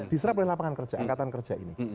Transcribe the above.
diserap oleh lapangan kerja angkatan kerja ini